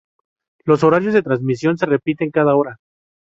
Los horarios de transmisión se repiten cada hora.